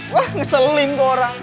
wah ngeselin tuh orang